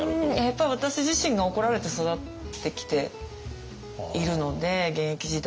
やっぱり私自身が怒られて育ってきているので現役時代